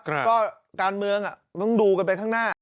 ก็การเมืองต้องดูกันไปข้างหน้า